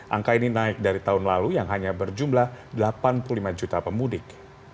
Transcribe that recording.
angka ini naik dari tahun lalu yang hanya berjumlah delapan puluh lima juta pemudik